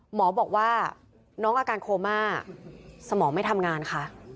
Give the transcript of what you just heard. หมอบอกว่าน้องอาการโคม่าสมองไม่ทำงานค่ะ